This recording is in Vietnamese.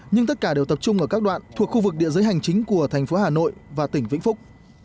nhưng tất cả đều tập trung ở các đoạn thuộc khu vực địa giới hành chính của thành phố hà nội và tỉnh vĩnh phúc